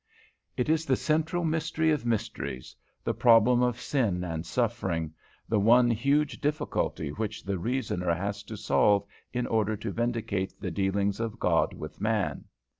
It is the central mystery of mysteries the problem of sin and suffering, the one huge difficulty which the reasoner has to solve in order to vindicate the dealings of God with man.